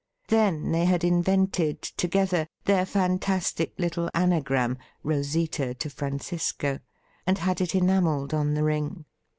Then they had invented, together, their fantastic little anagran^ THE RIDDLE RING — Rpsita to Francisco — and had it enamelled on the ring.